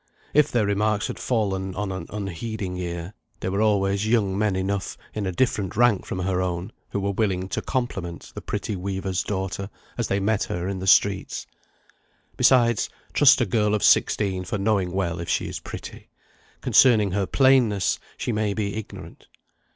If their remarks had fallen on an unheeding ear, there were always young men enough, in a different rank from her own, who were willing to compliment the pretty weaver's daughter as they met her in the streets. Besides, trust a girl of sixteen for knowing well if she is pretty; concerning her plainness she may be ignorant.